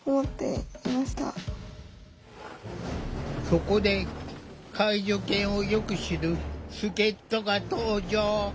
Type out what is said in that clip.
そこで介助犬をよく知る助っとが登場！